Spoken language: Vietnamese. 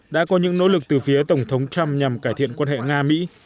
đã có những nỗ lực từ phía tổng thống trump nhằm cải thiện quan hệ nga mỹ